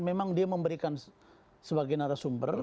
memang dia memberikan sebagian dari sumber